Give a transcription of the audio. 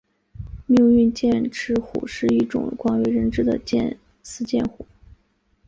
命运剑齿虎是一种广为人知的斯剑虎。